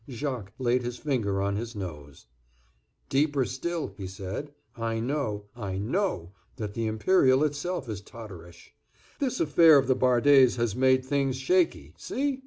Jacques laid his finger on his nose: "Deeper still," he said. "I know, I know that the Imperial itself is totterish. This affair of the Bardés has made things shaky; see?